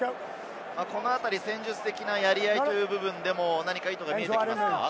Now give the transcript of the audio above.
戦術的なやり合いという部分でも何か意図が見えてきますか？